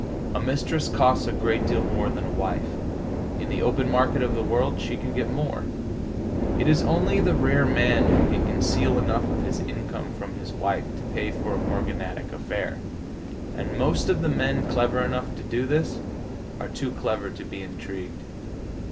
A mistress costs a great deal more than a wife; in the open market of the world she can get more. It is only the rare man who can conceal enough of his income from his wife to pay for a morganatic affair. And most of the men clever enough to do this are too clever to be intrigued.